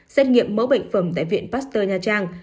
xét nghiệm mẫu bệnh phẩm tại viện pasteur nha trang